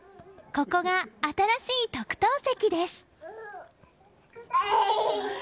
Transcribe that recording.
ここが新しい特等席です。